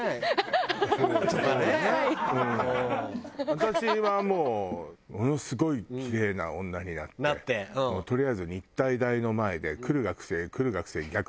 私はもうものすごいキレイな女になってとりあえず日体大の前で来る学生来る学生逆ナンして。